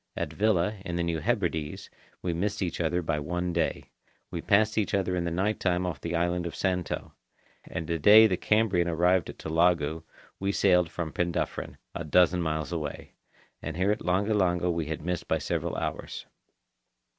At Vila, in the New Hebrides, we missed each other by one day. We passed each other in the night time off the island of Santo. And the day the Cambrian arrived at Tulagi, we sailed from Penduffryn, a dozen miles away. And here at Langa Langa we had missed by several hours.